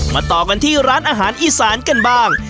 ต่อกันที่ร้านอาหารอีสานกันบ้าง